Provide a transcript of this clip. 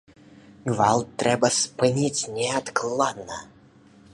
Гвалт трэба спыніць неадкладна!